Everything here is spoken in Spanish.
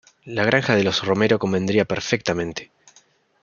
La granja de los Romero convendría perfectamente...